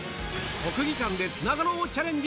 国技館でつながろうチャレンジ。